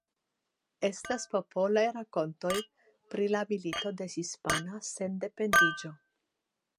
Estas popolaj rakontoj pri la Milito de Hispana Sendependiĝo.